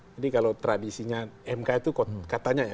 jadi kalau tradisinya mk itu katanya ya